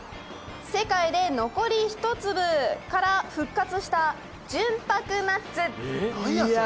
「世界で残り１粒から復活した純白ナッツ」なんや？